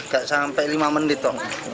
gak sampai lima menit